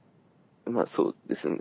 まあそうですね。